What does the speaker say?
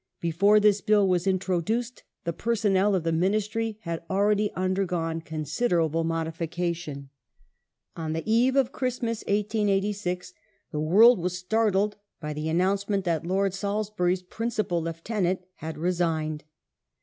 Before this Bill was introduced the personnel of the Ministry had already undergone considerable uiodification. Minis On the eve of Christmas (1886) the world was startled by the tenal announcement that Lord Salisbury's principal lieutenant had re signed.